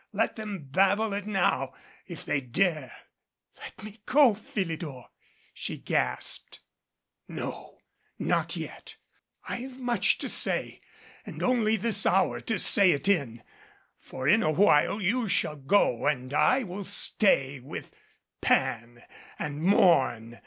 Let them babble it now if they dare " "Let me go, Philidor," she gasped. 247 MADCAP "No, not yet. I've much to say and only this hour to say it in, for in a while you shall go and I will stay with Pan and mourn.